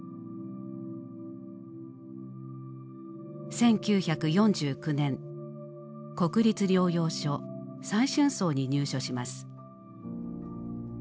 １９４９年国立療養所「再春荘」に入所します。